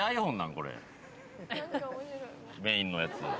これ、メインのやつ。